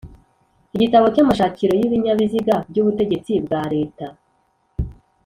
igitabo cy'amashakiro y'ibinyabiziga by'ubutegetsi bwa Leta